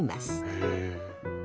へえ。